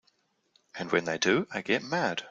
And when they do I get mad.